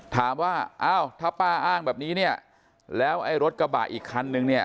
ถามว่าถ้าป้าอ้างแบบนี้แล้วไอ้รถกระบะอีกคันหนึ่ง